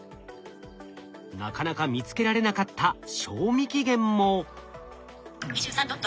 なかなか見つけられなかった賞味期限も。